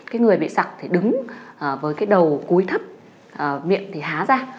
cái người bị sặc thì đứng với cái đầu cuối thấp miệng thì há ra